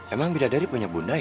emang bidadari punya bunda ya